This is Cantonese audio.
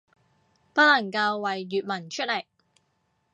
不能夠為粵文出力